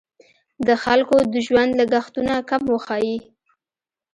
د خلکو د ژوند لګښتونه کم وښیي.